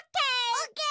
オッケー。